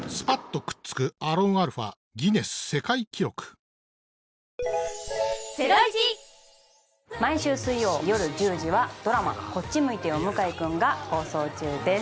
この後毎週水曜夜１０時はドラマ『こっち向いてよ向井くん』が放送中です。